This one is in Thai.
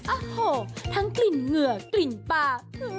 โอ้โหทั้งกลิ่นเหงื่อกลิ่นปลา